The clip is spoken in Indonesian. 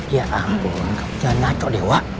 ya ampun jangan ke dewa